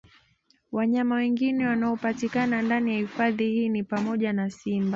Wanyama wengine wanaopatikana ndani ya hifadhi hii ni pamoja na Simba